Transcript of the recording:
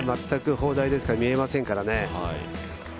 全く砲台ですから見えませんからね。